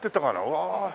わあ。